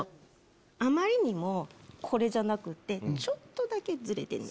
あまりにもこれじゃなくてちょっとだけズレてる。